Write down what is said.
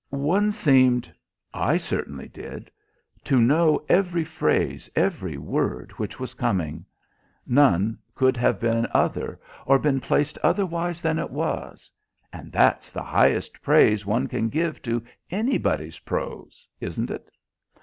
One seemed I certainly did to know every phrase, every word which was coming. None could have been other, or been placed otherwise than it was and that's the highest praise one can give to anybody's prose, isn't it?